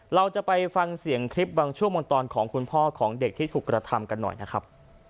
เราจะไปฟังเสียงคลิปบางช่วงบางตอนของคุณพ่อของเด็กที่ถูกกระทำกันหน่อยนะครับ